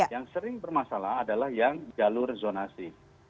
yang sering bermasalah adalah yang jalur zonasi